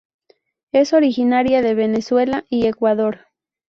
Es originaria de Venezuela y Ecuador.